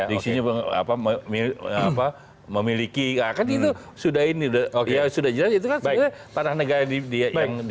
diksinya memiliki kan itu sudah jelas itu kan pada negara yang dipinggirkan